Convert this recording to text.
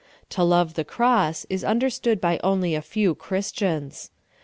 To love the cross is understood by only a few Chris tians.